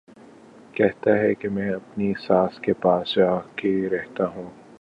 کہتا ہے کہ میں اپنی ساس کے پاس جا کے رہتا ہوں